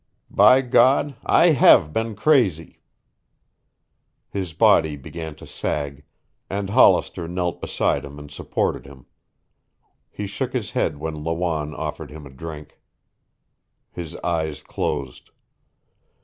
By God, I have been crazy." His body began to sag, and Hollister knelt beside him and supported him. He shook his head when Lawanne offered him a drink. His eyes closed.